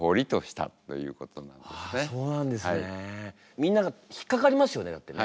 みんなが引っかかりますよねだってね。